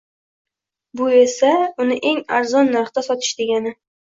Bu esa uni eng arzon narxda sotish degani.